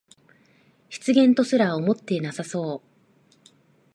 失言とすら思ってなさそう